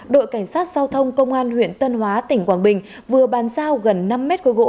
đội cảnh sát giao thông công an huyện tân hóa tỉnh quảng bình vừa bàn giao gần năm mét khối gỗ